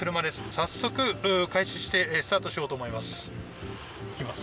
早速、開始してスタートしようと思います。